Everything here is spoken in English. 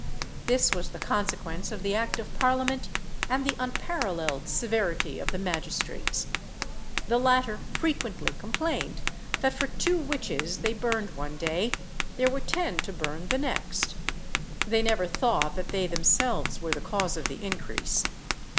This was the consequence of the act of parliament and the unparalleled severity of the magistrates; the latter frequently complained that for two witches they burned one day, there were ten to burn the next: they never thought that they themselves were the cause of the increase.